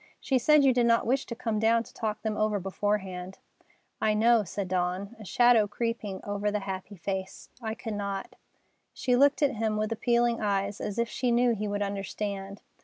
She said you did not wish to come down to talk them over beforehand." "I know," said Dawn, a shadow creeping over the happy face. "I could not." She looked at him with appealing eyes, as if she knew he would understand.